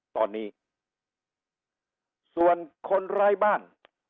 ตอนนี้ส่วนคนร้ายบ้าน